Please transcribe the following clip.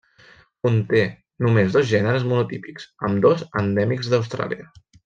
Conté només dos gèneres monotípics, ambdós endèmics d'Austràlia.